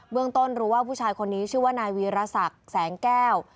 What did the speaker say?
เบื้องต้นรู้ว่าผู้ชายคนนี้ชื่อว่าไนวีรษักแสงแก้ว